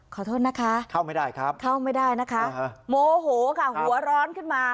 ขอโทษนะคะเข้าไม่ได้นะคะโมโหค่ะหัวร้อนขึ้นมา